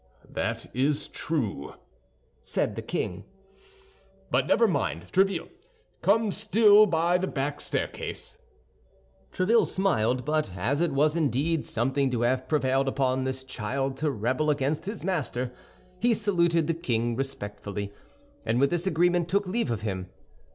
"That is true," said the king; "but never mind, Tréville, come still by the back staircase." Tréville smiled; but as it was indeed something to have prevailed upon this child to rebel against his master, he saluted the king respectfully, and with this agreement, took leave of him.